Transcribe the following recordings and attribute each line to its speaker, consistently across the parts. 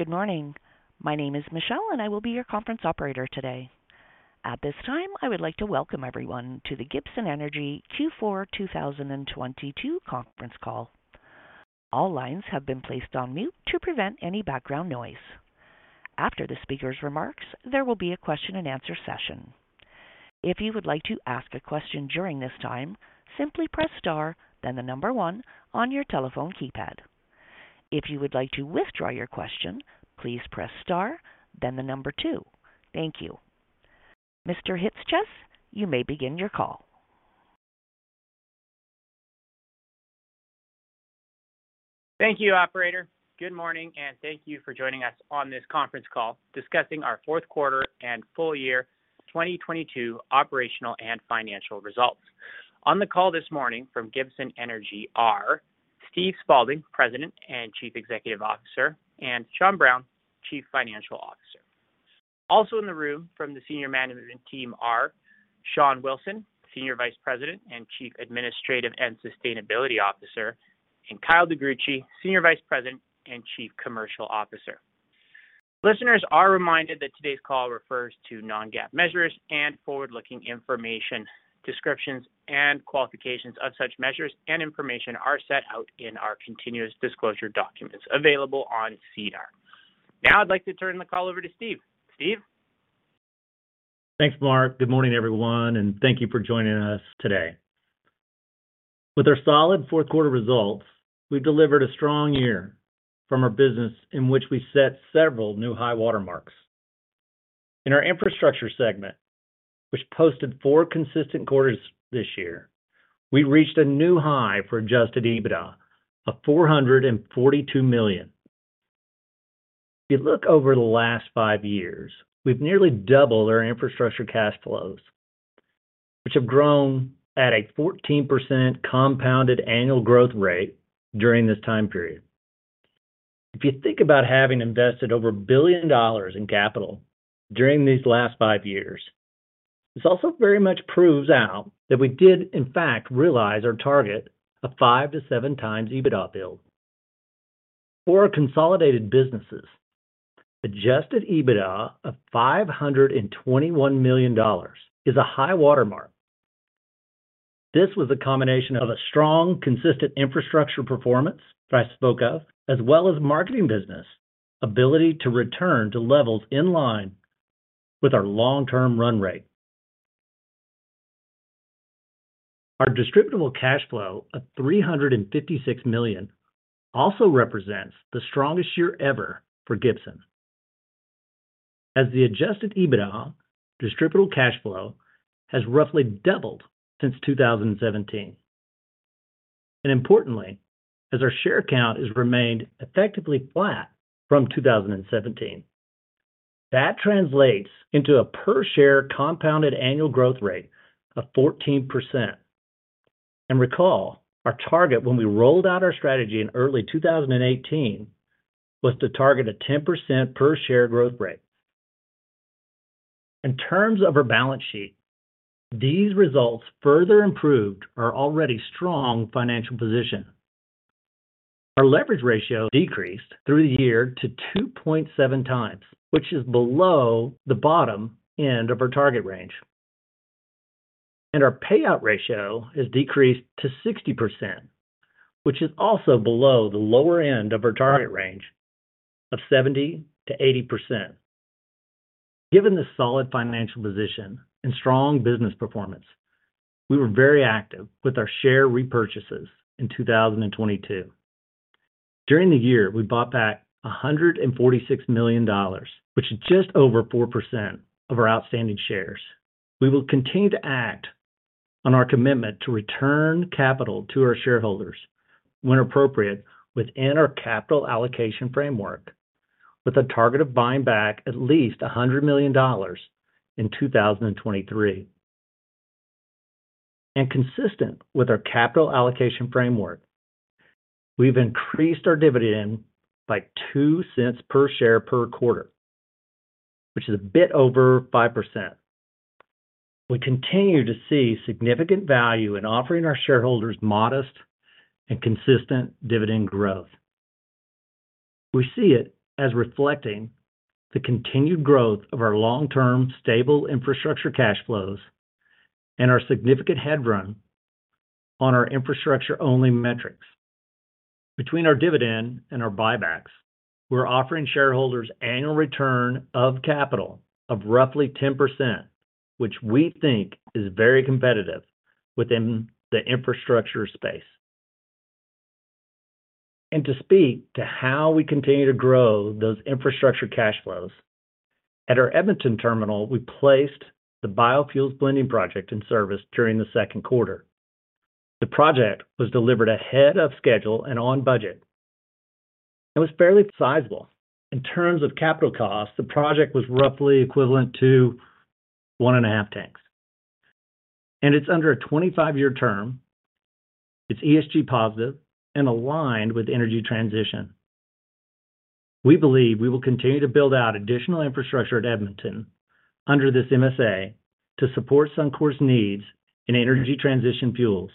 Speaker 1: Good morning. My name is Michelle, and I will be your conference operator today. At this time, I would like to welcome everyone to the Gibson Energy Q4 2022 conference call. All lines have been placed on mute to prevent any background noise. After the speaker's remarks, there will be a question and answer session. If you would like to ask a question during this time, simply press star then one on your telephone keypad. If you would like to withdraw your question, please press star then two. Thank you. Mr. Chyc-Cies, you may begin your call.
Speaker 2: Thank you, operator. Good morning, and thank you for joining us on this conference call discussing our fourth quarter and full year 2022 operational and financial results. On the call this morning from Gibson Energy are Steve Spaulding, President and Chief Executive Officer, and Sean Brown, Chief Financial Officer. Also in the room from the senior management team are Sean Wilson, Senior Vice President and Chief Administrative and Sustainability Officer, and Kyle DeGruchy, Senior Vice President and Chief Commercial Officer. Listeners are reminded that today's call refers to non-GAAP measures and forward-looking information. Descriptions and qualifications of such measures and information are set out in our continuous disclosure documents available on SEDAR. Now I'd like to turn the call over to Steve. Steve?
Speaker 3: Thanks, Mark. Good morning, everyone, and thank you for joining us today. With our solid fourth quarter results, we delivered a strong year from our business in which we set several new high watermarks. In our infrastructure segment, which posted four consistent quarters this year, we reached a new high for Adjusted EBITDA of 442 million. If you look over the last five years, we've nearly doubled our infrastructure cash flows, which have grown at a 14% compounded annual growth rate during this time period. If you think about having invested over 1 billion dollars in capital during these last five years, this also very much proves out that we did in fact realize our target of 5x-7x EBITDA build. For our consolidated businesses, Adjusted EBITDA of 521 million dollars is a high watermark. This was a combination of a strong, consistent infrastructure performance that I spoke of, as well as marketing business ability to return to levels in line with our long-term run rate. Our Distributable Cash Flow of 356 million also represents the strongest year ever for Gibson. The Adjusted EBITDA, Distributable Cash Flow has roughly doubled since 2017. Importantly, as our share count has remained effectively flat from 2017. That translates into a per share compounded annual growth rate of 14%. Recall, our target when we rolled out our strategy in early 2018 was to target a 10% per share growth rate. In terms of our balance sheet, these results further improved our already strong financial position. Our leverage ratio decreased through the year to 2.7x, which is below the bottom end of our target range. Our payout ratio has decreased to 60%, which is also below the lower end of our target range of 70%-80%. Given the solid financial position and strong business performance, we were very active with our share repurchases in 2022. During the year, we bought back $146 million, which is just over 4% of our outstanding shares. We will continue to act on our commitment to return capital to our shareholders when appropriate within our capital allocation framework, with a target of buying back at least $100 million in 2023. Consistent with our capital allocation framework, we've increased our dividend by 0.02 per share per quarter, which is a bit over 5%. We continue to see significant value in offering our shareholders modest and consistent dividend growth. We see it as reflecting the continued growth of our long-term stable infrastructure cash flows and our significant headrun on our infrastructure-only metrics. Between our dividend and our buybacks, we're offering shareholders annual return of capital of roughly 10%, which we think is very competitive within the infrastructure space. To speak to how we continue to grow those infrastructure cash flows, at our Edmonton Terminal, we placed the Biofuels Blending Project in service during the second quarter. The project was delivered ahead of schedule and on budget. It was fairly sizable. In terms of capital costs, the project was roughly equivalent to one and a half tanks. It's under a 25-year term. It's ESG positive and aligned with energy transition. We believe we will continue to build out additional infrastructure at Edmonton under this MSA to support Suncor's needs in energy transition fuels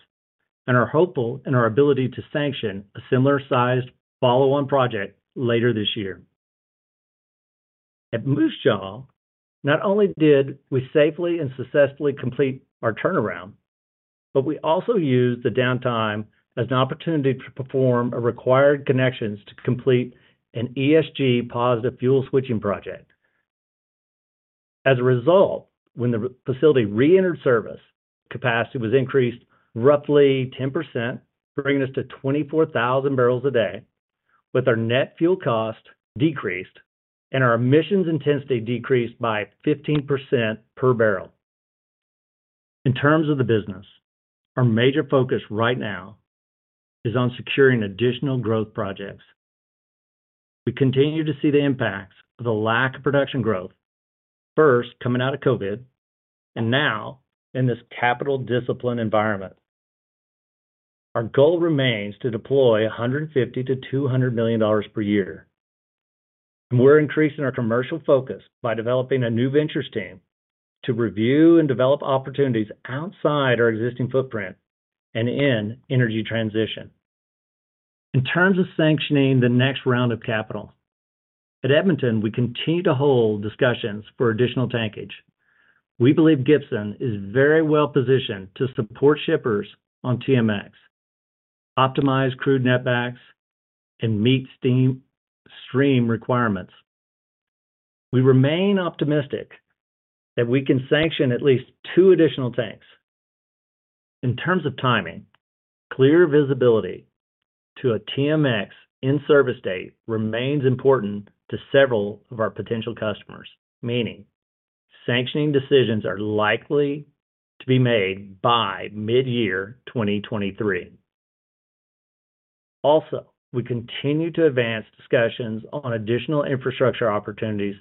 Speaker 3: and are hopeful in our ability to sanction a similar sized follow on project later this year. At Moose Jaw, not only did we safely and successfully complete our turnaround, we also used the downtime as an opportunity to perform a required connections to complete an ESG positive fuel switching project. As a result, when the facility reentered service, capacity was increased roughly 10%, bringing us to 24,000 barrels a day with our net fuel cost decreased and our emissions intensity decreased by 15% per barrel. In terms of the business, our major focus right now is on securing additional growth projects. We continue to see the impacts of the lack of production growth first coming out of COVID and now in this capital discipline environment. Our goal remains to deploy 150 million-200 million dollars per year. We're increasing our commercial focus by developing a new ventures team to review and develop opportunities outside our existing footprint and in energy transition. In terms of sanctioning the next round of capital, at Edmonton, we continue to hold discussions for additional tankage. We believe Gibson is very well positioned to support shippers on TMX, optimize crude netbacks, and meet stream requirements. We remain optimistic that we can sanction at least two additional tanks. In terms of timing, clear visibility to a TMX in-service date remains important to several of our potential customers, meaning sanctioning decisions are likely to be made by mid-year 2023. We continue to advance discussions on additional infrastructure opportunities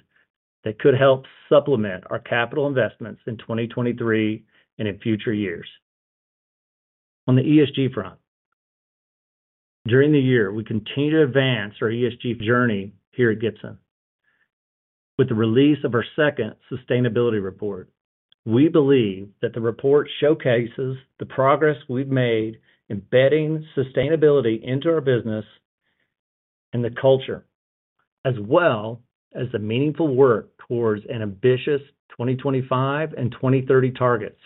Speaker 3: that could help supplement our capital investments in 2023 and in future years. On the ESG front, during the year, we continued to advance our ESG journey here at Gibson with the release of our second sustainability report. We believe that the report showcases the progress we've made embedding sustainability into our business and the culture as well as the meaningful work towards an ambitious 2025 and 2030 targets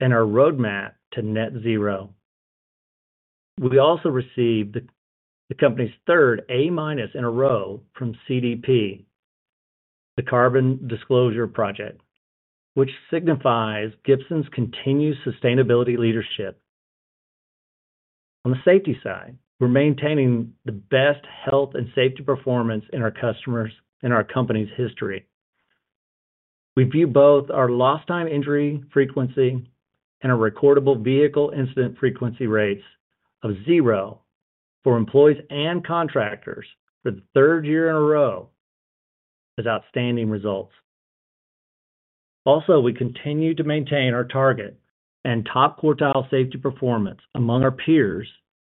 Speaker 3: and our roadmap to net zero. We also received the company's third A-minus in a row from CDP, the Carbon Disclosure Project, which signifies Gibson's continued sustainability leadership. On the safety side, we're maintaining the best health and safety performance in our customers in our company's history. We view both our lost time injury frequency and our recordable vehicle incident frequency rates of zero for employees and contractors for the third year in a row as outstanding results. We continue to maintain our target and top quartile safety performance among our peers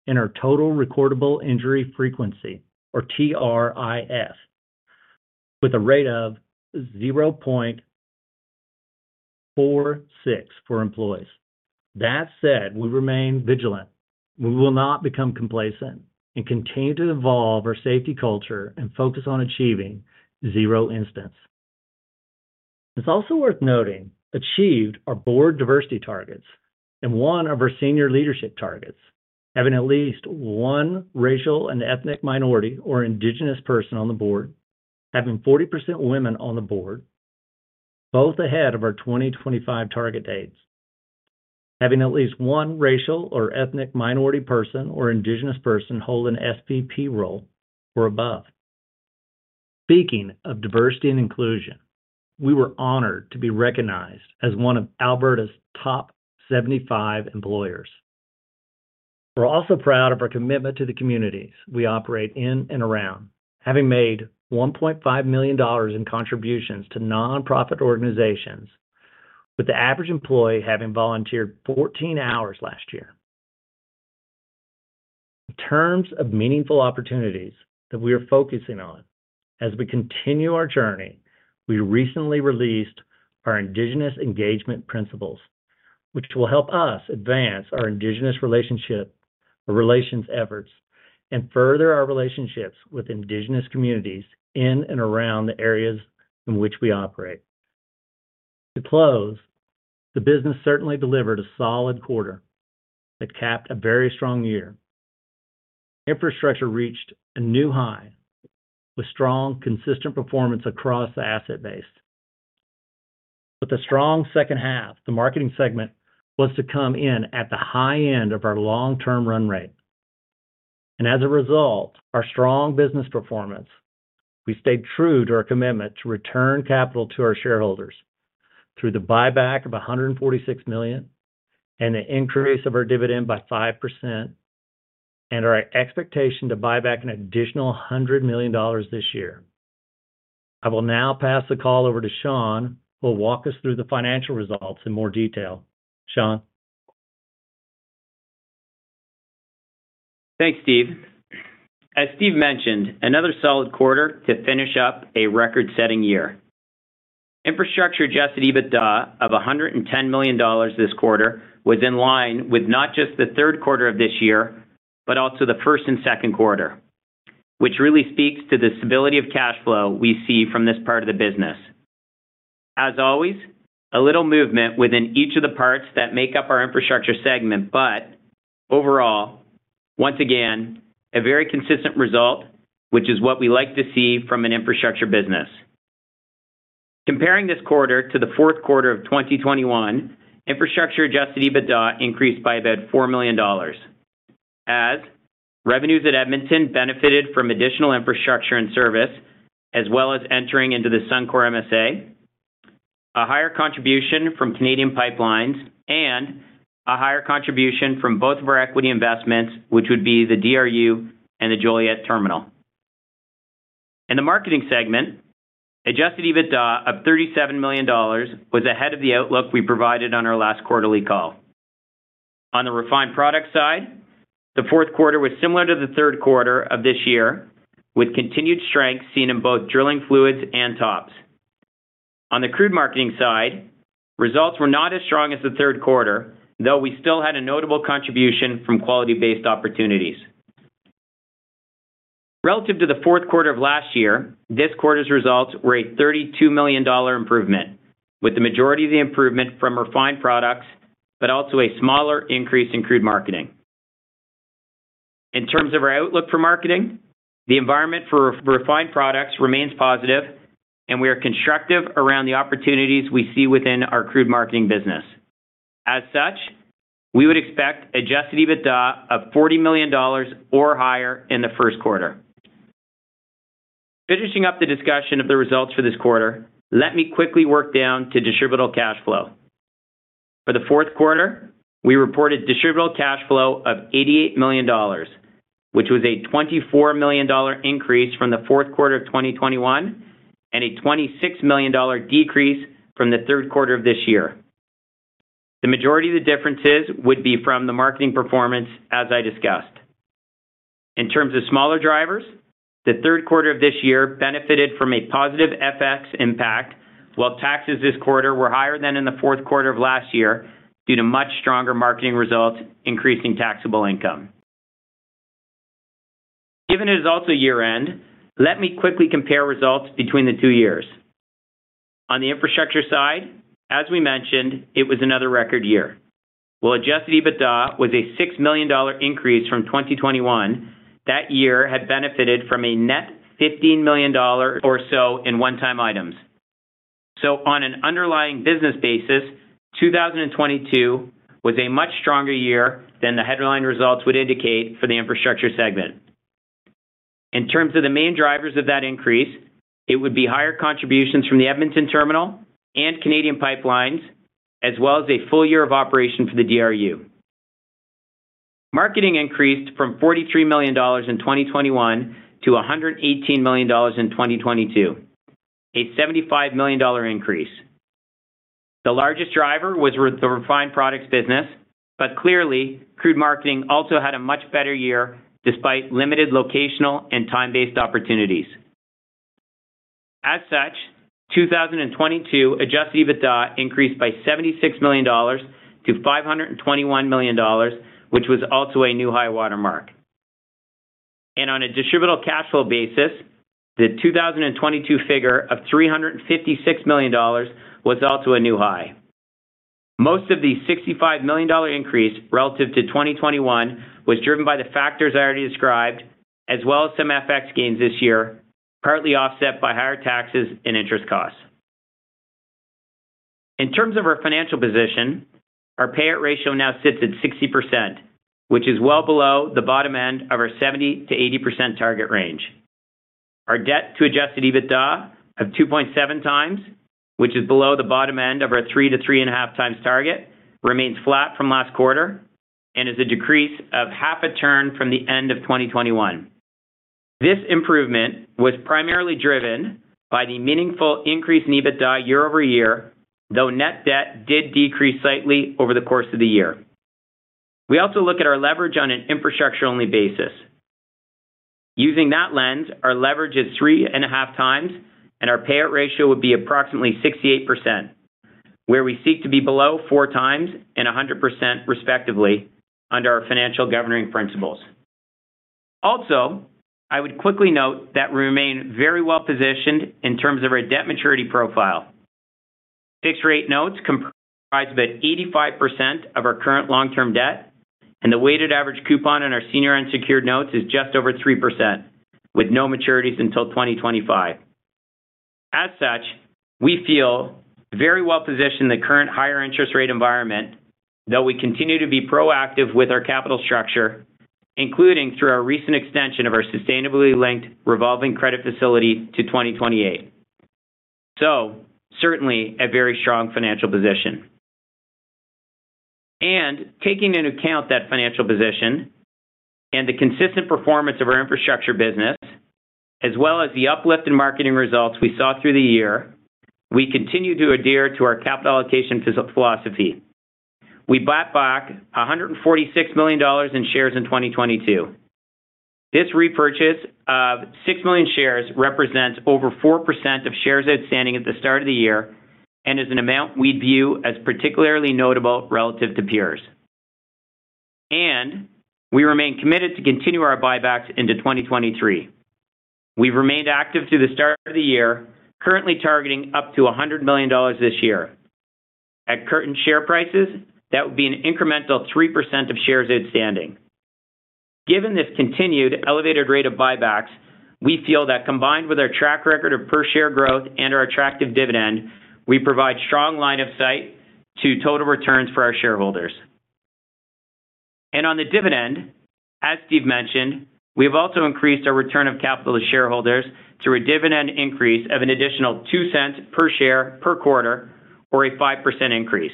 Speaker 3: in our Total Recordable Injury Frequency, or TRIF, with a rate of 0.46 for employees. That said, we remain vigilant. We will not become complacent and continue to evolve our safety culture and focus on achieving zero incidents. It's also worth noting, achieved our board diversity targets and one of our senior leadership targets, having at least one racial and ethnic minority or Indigenous person on the board, having 40% women on the board, both ahead of our 2025 target dates, having at least one racial or ethnic minority person or Indigenous person hold an SVP role or above. Speaking of diversity and inclusion, we were honored to be recognized as one of Alberta's top 75 employers. We're also proud of our commitment to the communities we operate in and around, having made $1.5 million in contributions to nonprofit organizations, with the average employee having volunteered 14 hours last year. In terms of meaningful opportunities that we are focusing on as we continue our journey, we recently released our Indigenous engagement principles, which will help us advance our Indigenous relationship or relations efforts and further our relationships with Indigenous communities in and around the areas in which we operate. To close, the business certainly delivered a solid quarter that capped a very strong year. Infrastructure reached a new high with strong, consistent performance across the asset base. With a strong second half, the marketing segment was to come in at the high end of our long-term run rate. As a result, our strong business performance, we stayed true to our commitment to return capital to our shareholders through the buyback of 146 million and the increase of our dividend by 5% and our expectation to buy back an additional 100 million dollars this year. I will now pass the call over to Sean, who will walk us through the financial results in more detail. Sean?
Speaker 4: Thanks, Steve. As Steve mentioned, another solid quarter to finish up a record-setting year. Infrastructure Adjusted EBITDA of 110 million dollars this quarter was in line with not just the third quarter of this year, but also the first and second quarter, which really speaks to the stability of cash flow we see from this part of the business. As always, a little movement within each of the parts that make up our infrastructure segment, but overall, once again, a very consistent result, which is what we like to see from an infrastructure business. Comparing this quarter to the fourth quarter of 2021, infrastructure Adjusted EBITDA increased by about 4 million dollars as revenues at Edmonton benefited from additional infrastructure and service, as well as entering into the Suncor MSA, a higher contribution from Canadian pipelines, and a higher contribution from both of our equity investments, which would be the DRU and the Joliet Terminal. In the marketing segment, Adjusted EBITDA of 37 million dollars was ahead of the outlook we provided on our last quarterly call. On the refined product side, the fourth quarter was similar to the third quarter of this year, with continued strength seen in both drilling fluids and tops. On the crude marketing side, results were not as strong as the third quarter, though we still had a notable contribution from quality-based opportunities. Relative to the fourth quarter of last year, this quarter's results were a 32 million dollar improvement, with the majority of the improvement from refined products, but also a smaller increase in crude marketing. In terms of our outlook for marketing, the environment for refined products remains positive and we are constructive around the opportunities we see within our crude marketing business. As such, we would expect Adjusted EBITDA of 40 million dollars or higher in the first quarter. Finishing up the discussion of the results for this quarter, let me quickly work down to Distributable Cash Flow. For the fourth quarter, we reported Distributable Cash Flow of 88 million dollars, which was a 24 million dollar increase from the fourth quarter of 2021 and a 26 million dollar decrease from the third quarter of this year. The majority of the differences would be from the marketing performance, as I discussed. In terms of smaller drivers, the third quarter of this year benefited from a positive FX impact, while taxes this quarter were higher than in the fourth quarter of last year due to much stronger marketing results increasing taxable income. Given it is also year-end, let me quickly compare results between the two years. On the infrastructure side, as we mentioned, it was another record year. While Adjusted EBITDA was a 6 million dollar increase from 2021, that year had benefited from a net 15 million dollars or so in one-time items. On an underlying business basis, 2022 was a much stronger year than the headline results would indicate for the infrastructure segment. In terms of the main drivers of that increase, it would be higher contributions from the Edmonton Terminal and Canadian pipelines, as well as a full year of operation for the DRU. Marketing increased from 43 million dollars in 2021 to 118 million dollars in 2022, a 75 million dollar increase. The largest driver was the refined products business, but clearly, crude marketing also had a much better year despite limited locational and time-based opportunities. As such, 2022 Adjusted EBITDA increased by 76 million dollars to 521 million dollars, which was also a new high watermark. On a Distributable Cash Flow basis, the 2022 figure of 356 million dollars was also a new high. Most of the 65 million dollar increase relative to 2021 was driven by the factors I already described, as well as some FX gains this year, partly offset by higher taxes and interest costs. In terms of our financial position, our payout ratio now sits at 60%, which is well below the bottom end of our 70%-80% target range. Our debt to Adjusted EBITDA of 2.7x, which is below the bottom end of our 3x-3.5x target, remains flat from last quarter and is a decrease of half a turn from the end of 2021. This improvement was primarily driven by the meaningful increase in EBITDA year-over-year, though net debt did decrease slightly over the course of the year. We also look at our leverage on an infrastructure-only basis. Using that lens, our leverage is 3.5x and our payout ratio would be approximately 68%, where we seek to be below 4x and 100% respectively under our financial governing principles. Also, I would quickly note that we remain very well-positioned in terms of our debt maturity profile. Fixed-rate notes comprise about 85% of our current long-term debt, and the weighted average coupon on our senior unsecured notes is just over 3%, with no maturities until 2025. As such, we feel very well-positioned in the current higher interest rate environment, though we continue to be proactive with our capital structure, including through our recent extension of our sustainability-linked revolving credit facility to 2028. Certainly a very strong financial position. Taking into account that financial position and the consistent performance of our infrastructure business. As well as the uplift in marketing results we saw through the year, we continue to adhere to our capital allocation philosophy. We bought back 146 million dollars in shares in 2022. This repurchase of 6 million shares represents over 4% of shares outstanding at the start of the year and is an amount we view as particularly notable relative to peers. We remain committed to continue our buybacks into 2023. We've remained active through the start of the year, currently targeting up to 100 million dollars this year. At current share prices, that would be an incremental 3% of shares outstanding. Given this continued elevated rate of buybacks, we feel that combined with our track record of per share growth and our attractive dividend, we provide strong line of sight to total returns for our shareholders. On the dividend, as Steve mentioned, we have also increased our return of capital to shareholders through a dividend increase of an additional 0.02 per share per quarter, or a 5% increase.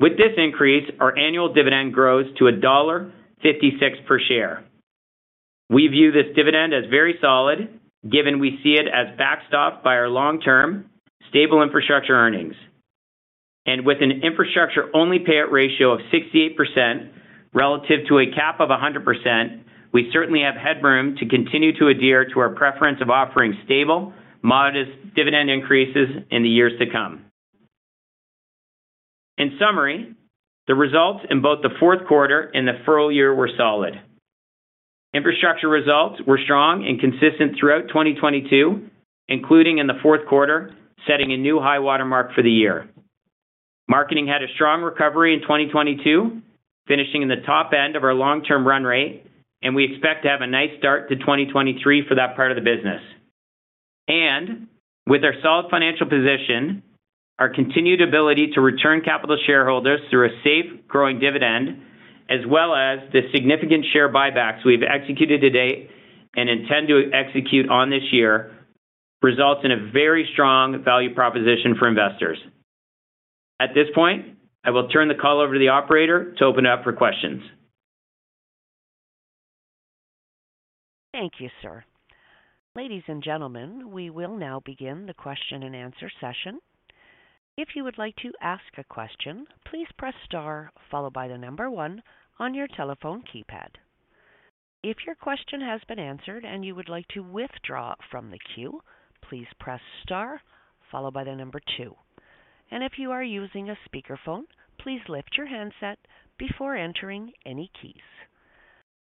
Speaker 4: With this increase, our annual dividend grows to dollar 1.56 per share. We view this dividend as very solid, given we see it as backstop by our long-term stable infrastructure earnings. With an infrastructure only payout ratio of 68% relative to a cap of 100%, we certainly have headroom to continue to adhere to our preference of offering stable, modest dividend increases in the years to come. In summary, the results in both the fourth quarter and the full year were solid. Infrastructure results were strong and consistent throughout 2022, including in the fourth quarter, setting a new high water mark for the year. Marketing had a strong recovery in 2022, finishing in the top end of our long-term run rate. We expect to have a nice start to 2023 for that part of the business. With our solid financial position, our continued ability to return capital to shareholders through a safe, growing dividend, as well as the significant share buybacks we've executed to date and intend to execute on this year, results in a very strong value proposition for investors. At this point, I will turn the call over to the operator to open it up for questions.
Speaker 1: Thank you, sir. Ladies and gentlemen, we will now begin the question-and-answer session. If you would like to ask a question, please press star followed by the number one on your telephone keypad. If your question has been answered and you would like to withdraw from the queue, please press star followed by the number two. If you are using a speakerphone, please lift your handset before entering any keys.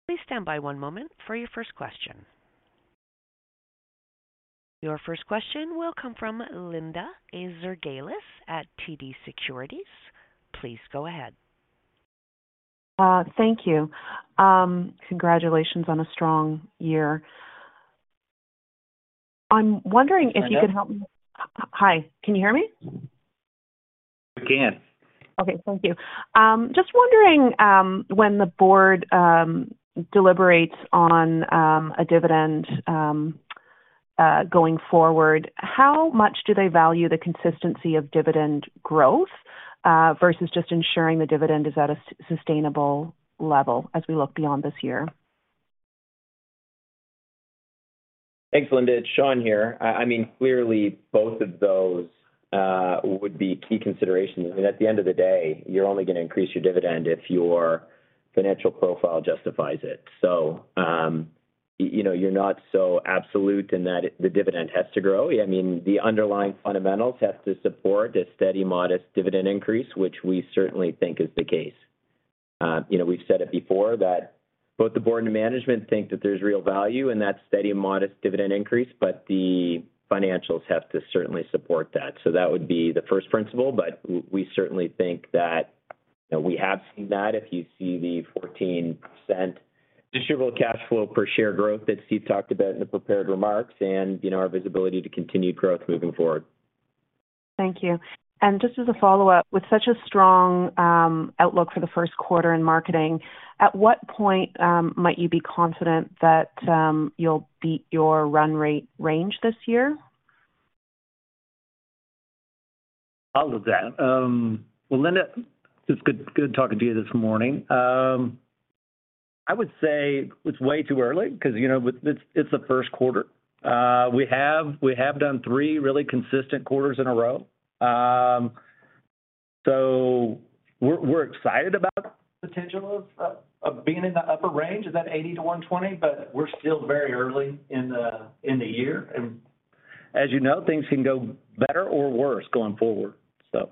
Speaker 1: Please stand by one moment for your first question. Your first question will come from Linda Ezergailis at TD Securities. Please go ahead.
Speaker 5: Thank you. Congratulations on a strong year. I'm wondering if you can help
Speaker 4: Linda?
Speaker 5: Hi. Can you hear me?
Speaker 4: We can.
Speaker 5: Okay, thank you. Just wondering, when the board deliberates on a dividend going forward, how much do they value the consistency of dividend growth versus just ensuring the dividend is at a sustainable level as we look beyond this year?
Speaker 4: Thanks, Linda. It's Sean here. I mean, clearly, both of those would be key considerations. I mean, at the end of the day, you're only gonna increase your dividend if your financial profile justifies it. You know, you're not so absolute in that the dividend has to grow. I mean, the underlying fundamentals have to support a steady, modest dividend increase, which we certainly think is the case. You know, we've said it before that both the board and management think that there's real value in that steady, modest dividend increase, but the financials have to certainly support that. That would be the first principle, but we certainly think that, you know, we have seen that if you see the 14% Distributable Cash Flow per share growth that Steve talked about in the prepared remarks and, you know, our visibility to continued growth moving forward.
Speaker 5: Thank you. Just as a follow-up, with such a strong outlook for the first quarter in marketing, at what point might you be confident that you'll beat your run rate range this year?
Speaker 3: I'll take that. Well, Linda, it's good talking to you this morning. I would say it's way too early 'cause, you know, it's the first quarter. We have done three really consistent quarters in a row. So we're excited about the potential of being in the upper range of that 80-120, but we're still very early in the year. As you know, things can go better or worse going forward, so.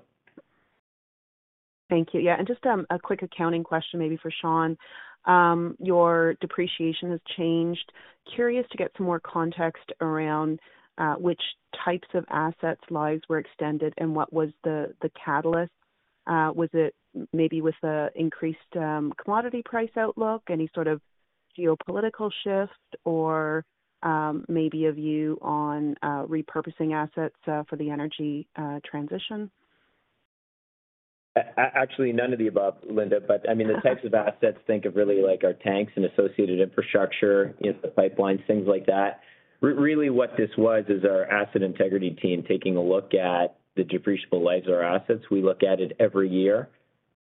Speaker 5: Thank you. Yeah. Just a quick accounting question maybe for Sean. Your depreciation has changed. Curious to get some more context around which types of assets lives were extended and what was the catalyst. Was it maybe with the increased commodity price outlook? Any sort of geopolitical shift or maybe a view on repurposing assets for the energy transition?
Speaker 4: Actually none of the above, Linda. I mean, the types of assets, think of really like our tanks and associated infrastructure, you know, the pipelines, things like that. Really what this was is our asset integrity team taking a look at the depreciable lives of our assets. We look at it every year.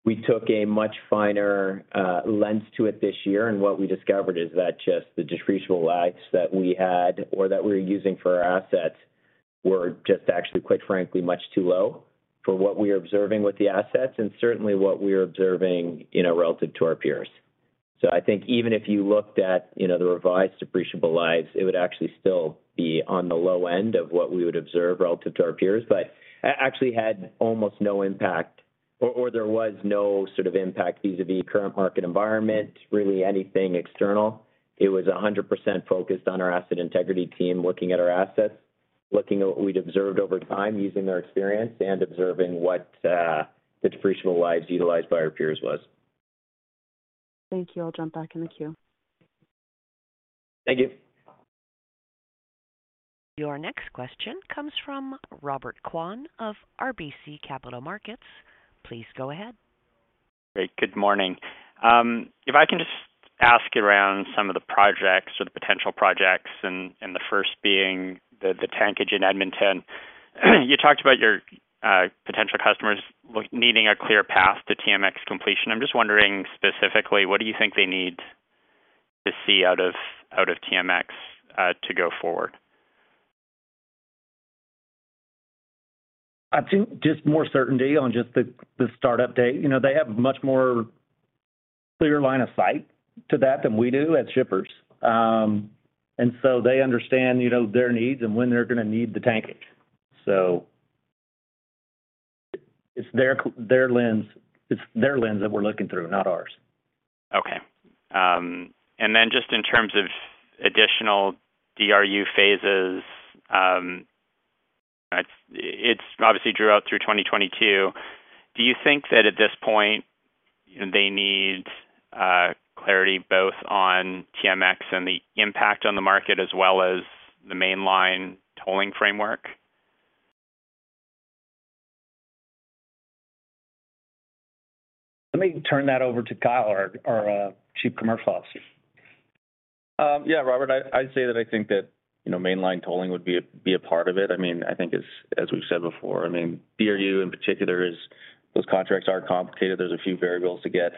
Speaker 4: We took a much finer lens to it this year, what we discovered is that just the depreciable lives that we had or that we were using for our assets were just actually, quite frankly, much too low for what we are observing with the assets and certainly what we are observing, you know, relative to our peers. I think even if you looked at, you know, the revised depreciable lives, it would actually still be on the low end of what we would observe relative to our peers, but actually had almost no impact or there was no sort of impact vis-à-vis current market environment, really anything external. It was 100% focused on our asset integrity team looking at our assets, looking at what we'd observed over time using our experience and observing what the depreciable lives utilized by our peers was.
Speaker 5: Thank you. I'll jump back in the queue.
Speaker 4: Thank you.
Speaker 1: Your next question comes from Robert Kwan of RBC Capital Markets. Please go ahead.
Speaker 6: Great. Good morning. If I can just ask around some of the projects or the potential projects and the first being the tankage in Edmonton. You talked about your potential customers like needing a clear path to TMX completion. I'm just wondering specifically what do you think they need to see out of TMX to go forward?
Speaker 3: I think just more certainty on just the start update. You know, they have much more clear line of sight to that than we do as shippers. They understand, you know, their needs and when they're gonna need the tankage. It's their lens, it's their lens that we're looking through, not ours.
Speaker 6: Okay. Just in terms of additional DRU phases, it's obviously drew out through 2022. Do you think that at this point they need clarity both on TMX and the impact on the market as well as the mainline tolling framework?
Speaker 3: Let me turn that over to Kyle, our Chief Commercial Officer.
Speaker 7: Yeah, Robert, I'd say that I think that, you know, mainline tolling would be a part of it. I mean, I think as we've said before, I mean, DRU in particular is those contracts are complicated. There's a few variables to get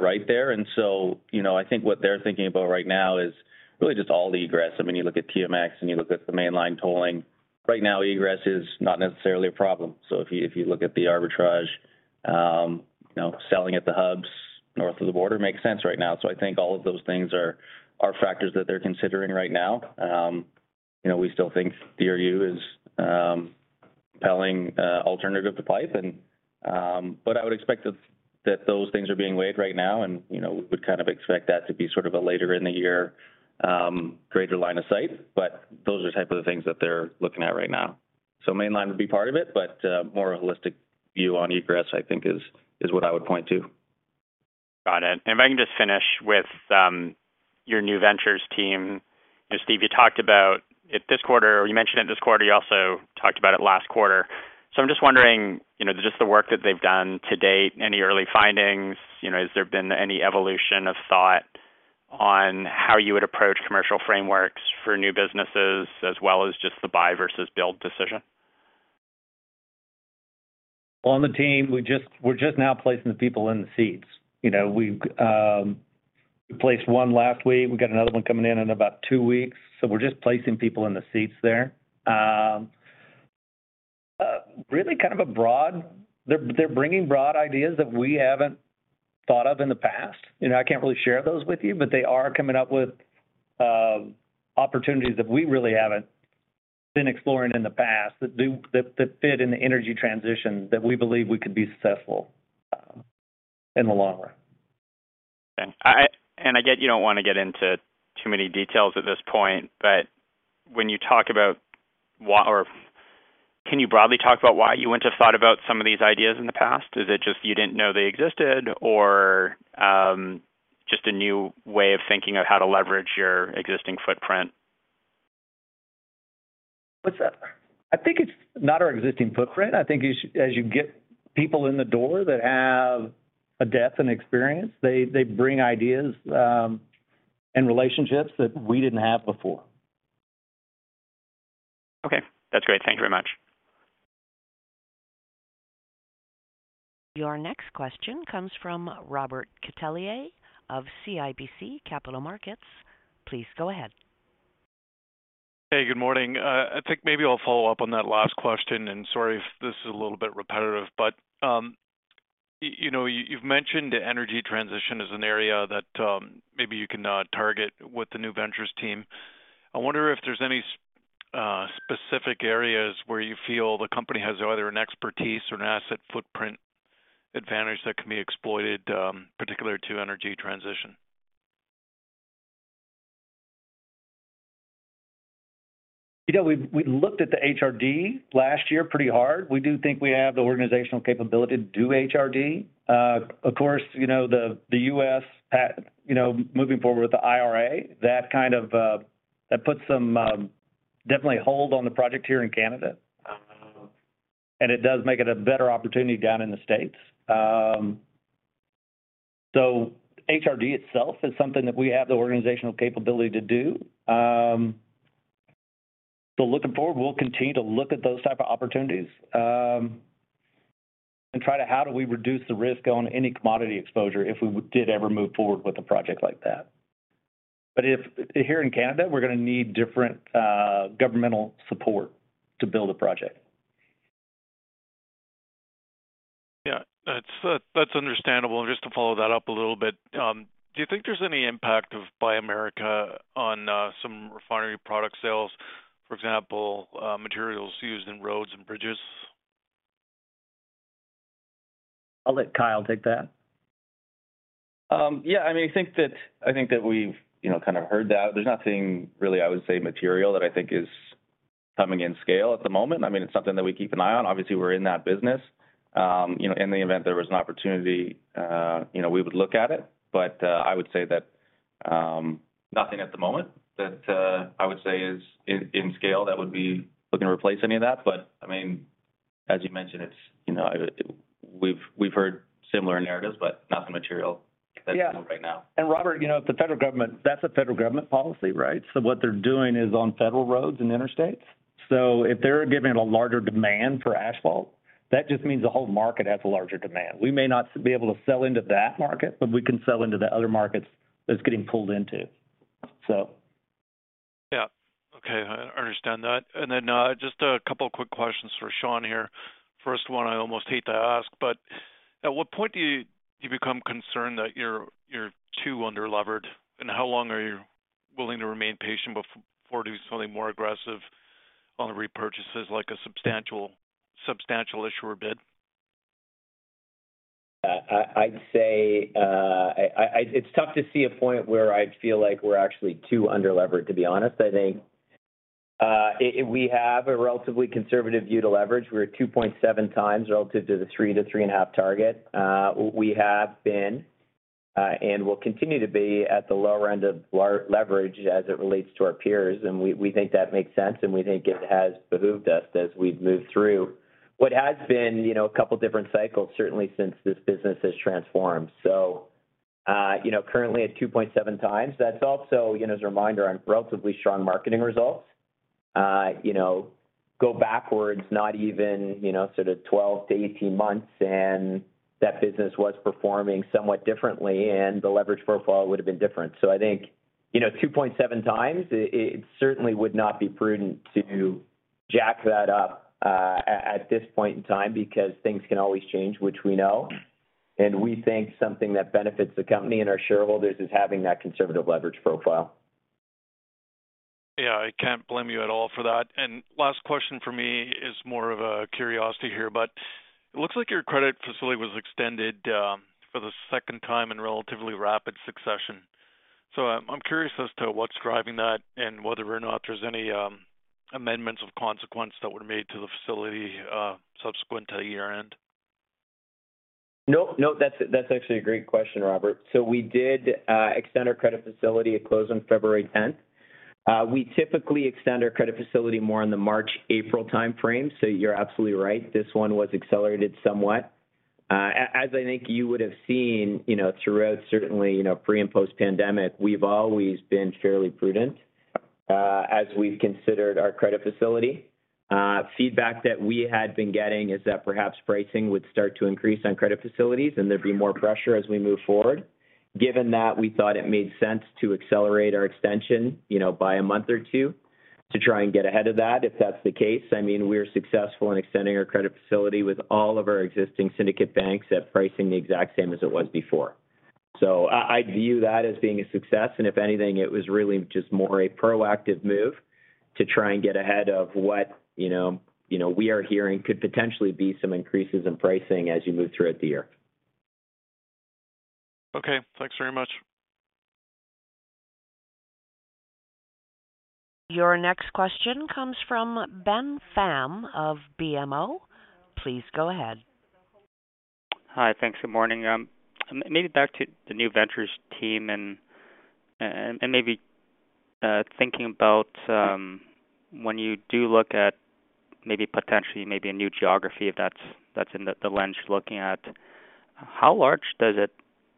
Speaker 7: right there. You know, I think what they're thinking about right now is really just all the egress. I mean, you look at TMX and you look at the mainline tolling, right now, egress is not necessarily a problem. If you, if you look at the arbitrage, you know, selling at the hubs north of the border makes sense right now. I think all of those things are factors that they're considering right now. You know, we still think DRU is compelling alternative to pipe and I would expect that those things are being weighed right now and, you know, we would kind of expect that to be sort of a later in the year, greater line of sight. Those are the type of things that they're looking at right now. Mainline would be part of it, but more of a holistic view on egress, I think is what I would point to.
Speaker 6: Got it. If I can just finish with your new ventures team. You know, Steve, you talked about it this quarter, or you mentioned it this quarter, you also talked about it last quarter. I'm just wondering, you know, just the work that they've done to date, any early findings, you know, has there been any evolution of thought on how you would approach commercial frameworks for new businesses as well as just the buy versus build decision?
Speaker 3: On the team, we just, we're just now placing the people in the seats. You know, we've, we placed 1 last week. We got another one coming in in about two weeks. We're just placing people in the seats there. They're bringing broad ideas that we haven't thought of in the past. You know, I can't really share those with you, but they are coming up with opportunities that we really haven't been exploring in the past that fit in the energy transition that we believe we could be successful in the long run.
Speaker 6: I get you don't wanna get into too many details at this point, but when you talk about why, can you broadly talk about why you wouldn't have thought about some of these ideas in the past? Is it just you didn't know they existed or just a new way of thinking of how to leverage your existing footprint?
Speaker 3: What's that? I think it's not our existing footprint. I think as you get people in the door that have a depth and experience, they bring ideas and relationships that we didn't have before.
Speaker 6: Okay. That's great. Thank you very much.
Speaker 1: Your next question comes from Robert Catellier of CIBC Capital Markets. Please go ahead.
Speaker 8: Hey, good morning. I think maybe I'll follow up on that last question, and sorry if this is a little bit repetitive, but you know, you've mentioned energy transition as an area that maybe you can target with the new ventures team. I wonder if there's any specific areas where you feel the company has either an expertise or an asset footprint advantage that can be exploited, particular to energy transition.
Speaker 3: You know, we looked at the HRD last year pretty hard. We do think we have the organizational capability to do HRD. Of course, you know, the U.S., you know, moving forward with the IRA, that kind of puts some definitely a hold on the project here in Canada. It does make it a better opportunity down in the States. HRD itself is something that we have the organizational capability to do. Looking forward, we'll continue to look at those type of opportunities, and try to reduce the risk on any commodity exposure if we did ever move forward with a project like that. Here in Canada, we're gonna need different governmental support to build a project.
Speaker 8: Yeah. That's understandable. Just to follow that up a little bit, do you think there's any impact of Buy American on some refinery product sales, for example, materials used in roads and bridges?
Speaker 3: I'll let Kyle take that.
Speaker 7: Yeah, I mean, I think that we've, you know, kind of heard that. There's nothing really, I would say material that I think is coming in scale at the moment. I mean, it's something that we keep an eye on. Obviously, we're in that business. You know, in the event there was an opportunity, you know, we would look at it. I would say that nothing at the moment that I would say is in scale that would be looking to replace any of that. I mean, as you mentioned, it's, you know. We've heard similar narratives, but nothing material that's new right now.
Speaker 3: Yeah. Robert, you know, if the federal government. That's a federal government policy, right? What they're doing is on federal roads and interstates. If they're giving it a larger demand for asphalt, that just means the whole market has a larger demand. We may not be able to sell into that market, but we can sell into the other markets that it's getting pulled into.
Speaker 8: Yeah. Okay. I understand that. Just a couple of quick questions for Sean here. First one I almost hate to ask, but at what point do you become concerned that you're too under-levered, and how long are you willing to remain patient before doing something more aggressive on repurchases like a substantial issuer bid?
Speaker 4: I'd say, It's tough to see a point where I feel like we're actually too under-levered, to be honest. I think, if we have a relatively conservative view to leverage, we're 2.7x relative to the 3x-3.5x target. We have been, and will continue to be at the lower end of leverage as it relates to our peers, and we think that makes sense, and we think it has behooved us as we've moved through what has been, you know, a couple different cycles, certainly since this business has transformed. You know, currently at 2.7x, that's also, you know, as a reminder on relatively strong marketing results, you know, go backwards, not even, you know, sort of 12-18 months, and that business was performing somewhat differently and the leverage profile would have been different. I think, you know, 2.7x, it certainly would not be prudent to jack that up at this point in time because things can always change, which we know. We think something that benefits the company and our shareholders is having that conservative leverage profile.
Speaker 8: Yeah. I can't blame you at all for that. Last question from me is more of a curiosity here. It looks like your credit facility was extended for the second time in relatively rapid succession. I'm curious as to what's driving that and whether or not there's any amendments of consequence that were made to the facility subsequent to year-end.
Speaker 4: No. That's actually a great question, Robert. We did extend our credit facility. It closed on February 10th. We typically extend our credit facility more in the March, April timeframe. You're absolutely right. This one was accelerated somewhat. As I think you would have seen, you know, throughout certainly, you know, pre and post-pandemic, we've always been fairly prudent as we've considered our credit facility. Feedback that we had been getting is that perhaps pricing would start to increase on credit facilities, and there'd be more pressure as we move forward. Given that, we thought it made sense to accelerate our extension, you know, by a month or two to try and get ahead of that if that's the case. I mean, we're successful in extending our credit facility with all of our existing syndicate banks at pricing the exact same as it was before. I view that as being a success, and if anything, it was really just more a proactive move to try and get ahead of what, you know, we are hearing could potentially be some increases in pricing as you move throughout the year.
Speaker 8: Okay. Thanks very much.
Speaker 1: Your next question comes from Ben Pham of BMO. Please go ahead.
Speaker 9: Hi. Thanks. Good morning. maybe back to the new ventures team and maybe, thinking about, when you do look at maybe potentially a new geography if that's in the lens you're looking at, how large does it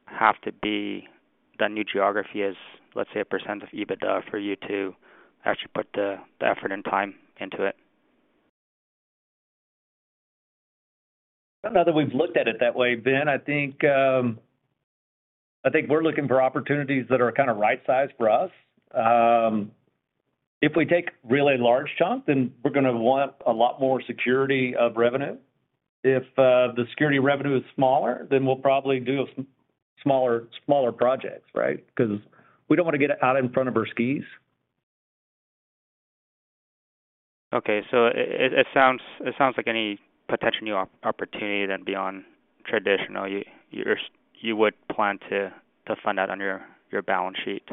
Speaker 9: have to be that new geography is, let's say, a % of EBITDA for you to actually put the effort and time into it?
Speaker 3: I don't know that we've looked at it that way, Ben. I think, I think we're looking for opportunities that are kinda right size for us. If we take really a large chunk, then we're gonna want a lot more security of revenue. If, the security revenue is smaller, then we'll probably do smaller projects, right? 'Cause we don't wanna get out in front of our skis.
Speaker 9: It sounds like any potential new opportunity then beyond traditional, you would plan to fund that on your balance sheet.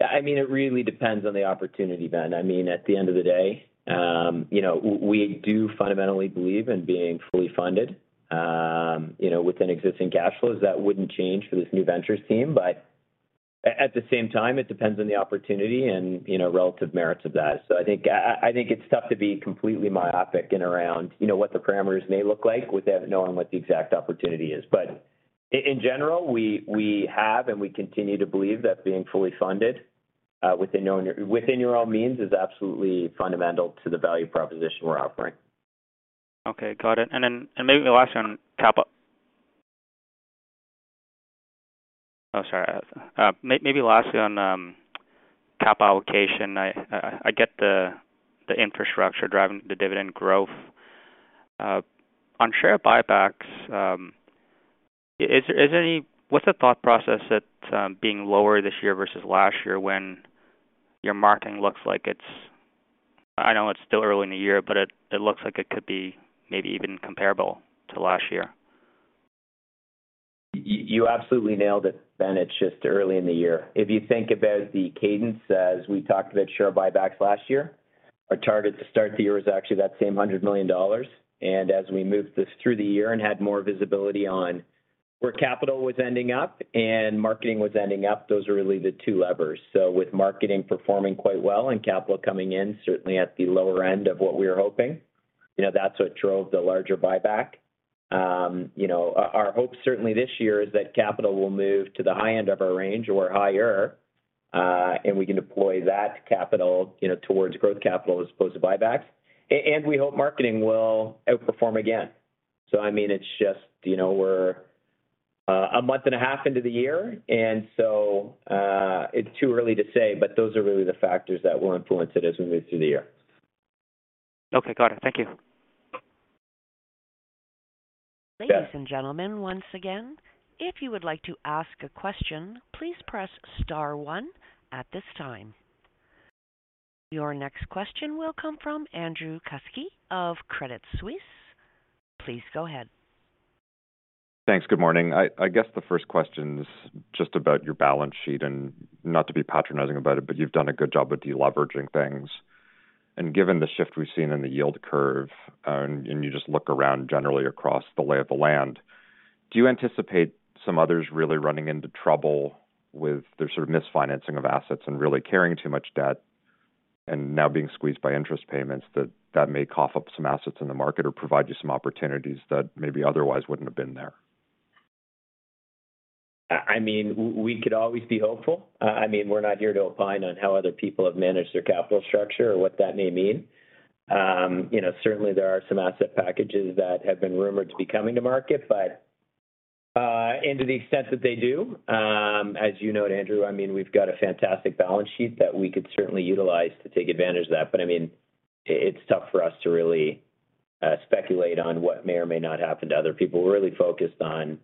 Speaker 4: I mean, it really depends on the opportunity, Ben. I mean, at the end of the day, you know, we do fundamentally believe in being fully funded, you know, within existing cash flows. That wouldn't change for this new ventures team. At the same time, it depends on the opportunity and, you know, relative merits of that. I think it's tough to be completely myopic in around, you know, what the parameters may look like without knowing what the exact opportunity is. In general, we have and we continue to believe that being fully funded, within your own means is absolutely fundamental to the value proposition we're offering.
Speaker 9: Okay, got it. Maybe the last one on cap up. Oh, sorry. Maybe lastly on cap allocation. I get the infrastructure driving the dividend growth. On share buybacks, what's the thought process that being lower this year versus last year when your marketing looks like it's I know it's still early in the year, but it looks like it could be maybe even comparable to last year.
Speaker 4: You absolutely nailed it, Ben. It's just early in the year. If you think about the cadence as we talked about share buybacks last year, our target to start the year was actually that same 100 million dollars. As we moved this through the year and had more visibility on where capital was ending up and marketing was ending up, those are really the two levers. With marketing performing quite well and capital coming in, certainly at the lower end of what we were hoping, you know, that's what drove the larger buyback. You know, our hope certainly this year is that capital will move to the high end of our range or higher, and we can deploy that capital, you know, towards growth capital as opposed to buybacks. We hope marketing will outperform again. I mean, it's just, you know, we're a month and a half into the year and so, it's too early to say, but those are really the factors that will influence it as we move through the year.
Speaker 9: Okay. Got it. Thank you.
Speaker 4: Yeah.
Speaker 1: Ladies and gentlemen, once again, if you would like to ask a question, please press star one at this time. Your next question will come from Andrew Kuske of Credit Suisse. Please go ahead.
Speaker 10: Thanks. Good morning. I guess the first question is just about your balance sheet, and not to be patronizing about it, but you've done a good job of de-leveraging things. Given the shift we've seen in the yield curve, and you just look around generally across the lay of the land, do you anticipate some others really running into trouble with their sort of misfinancing of assets and really carrying too much debt and now being squeezed by interest payments that may cough up some assets in the market or provide you some opportunities that maybe otherwise wouldn't have been there?
Speaker 4: I mean, we could always be hopeful. I mean, we're not here to opine on how other people have managed their capital structure or what that may mean. You know, certainly there are some asset packages that have been rumored to be coming to market, but to the extent that they do, as you know it, Andrew, I mean, we've got a fantastic balance sheet that we could certainly utilize to take advantage of that. I mean, it's tough for us to really speculate on what may or may not happen to other people. We're really focused on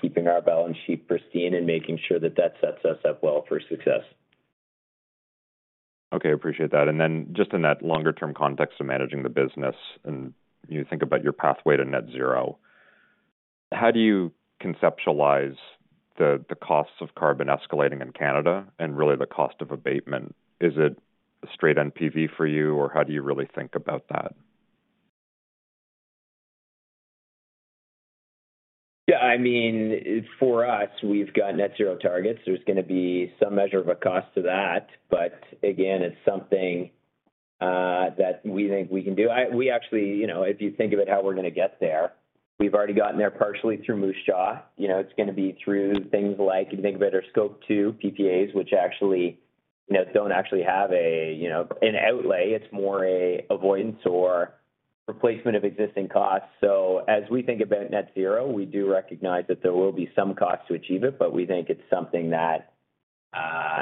Speaker 4: keeping our balance sheet pristine and making sure that that sets us up well for success.
Speaker 10: Okay. Appreciate that. Then just in that longer term context of managing the business, and you think about your pathway to Net Zero, how do you conceptualize the costs of carbon escalating in Canada and really the cost of abatement? Is it a straight NPV for you or how do you really think about that?
Speaker 4: I mean, for us, we've got Net Zero targets. There's gonna be some measure of a cost to that. Again, it's something that we think we can do. We actually, you know, if you think about how we're gonna get there, we've already gotten there partially through Moose Jaw. You know, it's gonna be through things like, if you think about our Scope 2 PPAs, which actually, you know, don't actually have a, you know, an outlay, it's more a avoidance or replacement of existing costs. As we think about Net Zero, we do recognize that there will be some cost to achieve it, but we think it's something that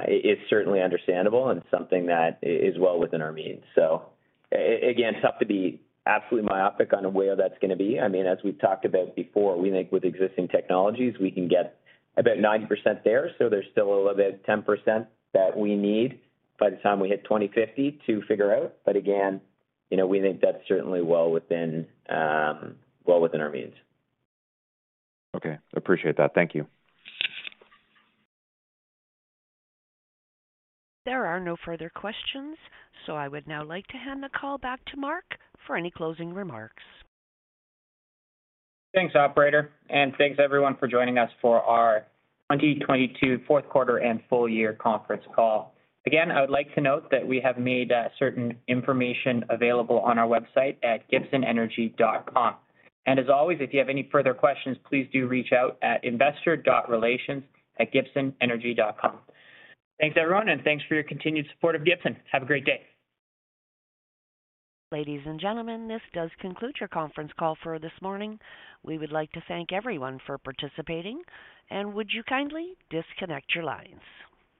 Speaker 4: is certainly understandable and something that is well within our means. Again, it's tough to be absolutely myopic on where that's gonna be. I mean, as we've talked about before, we think with existing technologies, we can get about 90% there. There's still a little bit, 10% that we need by the time we hit 2050 to figure out. Again, you know, we think that's certainly well within, well within our means.
Speaker 10: Okay. Appreciate that. Thank you.
Speaker 1: There are no further questions, so I would now like to hand the call back to Mark for any closing remarks.
Speaker 2: Thanks, operator, and thanks everyone for joining us for our 2022 fourth quarter and full year conference call. Again, I would like to note that we have made certain information available on our website at gibsonenergy.com. As always, if you have any further questions, please do reach out at investor.relations@gibsonenergy.com. Thanks, everyone, and thanks for your continued support of Gibson. Have a great day.
Speaker 1: Ladies and gentlemen, this does conclude your conference call for this morning. We would like to thank everyone for participating, and would you kindly disconnect your lines.